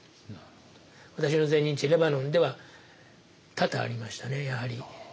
私の前任地レバノンでは多々ありましたねやはり。